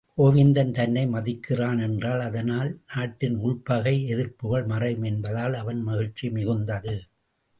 கோவிந்தன் தன்னை மதிக்கிறான் என்றால் அதனால் நாட்டின் உள்பகை, எதிர்ப்புகள் மறையும் என்பதால் அவன் மகிழ்ச்சி மிகுந்தது.